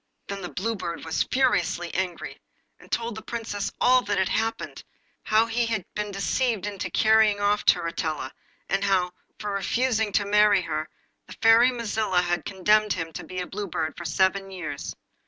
Then the Blue Bird was furiously angry, and told the Princess all that had happened, how he had been deceived into carrying off Turritella, and how, for refusing to marry her, the Fairy Mazilla had condemned him to be a Blue Bird for seven years.